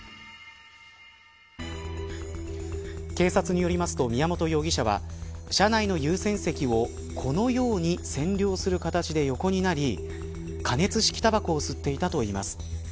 警察によりますと、宮本容疑者は車内の優先席をこのように占領する形で横になり加熱式たばこを吸っていたといいます。